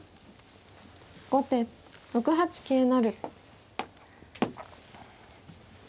後手６八桂成。